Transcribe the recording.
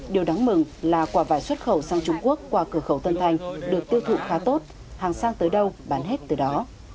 điều đáng mừng là quả vải xuất khẩu sang trung quốc qua cửa khẩu tân thanh được tiêu thụ khá tốt hàng sang tới đâu bán hết từ đó